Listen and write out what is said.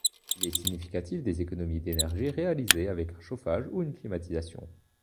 Il est significatif des économies d'énergie réalisées avec un chauffage ou une climatisation.